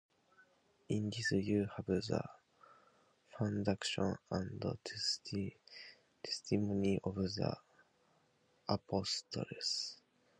In this you have the foundation and testimony of the apostles.